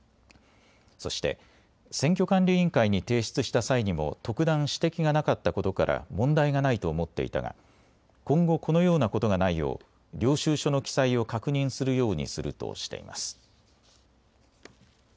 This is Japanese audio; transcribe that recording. そして、選挙管理委員会に提出した際にも特段、指摘がなかったことから問題がないと思っていたが今後、このようなことがないよう領収書の記載を確認するようにするとしています。